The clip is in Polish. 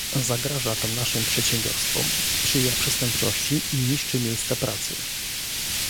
Zagraża to naszym przedsiębiorstwom, sprzyja przestępczości i niszczy miejsca pracy